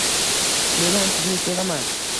Men ham sizni sevaman.